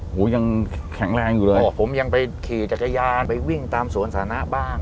หูยังแข็งแรงอยู่เลยผมยังไปขี่จักรยานไปวิ่งตามสวนสานะบ้าง